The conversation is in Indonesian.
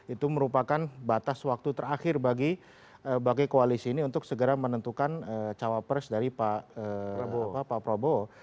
itu merupakan batas waktu terakhir bagi koalisi ini untuk segera menentukan cawapres dari pak prabowo